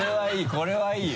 これはいいよ。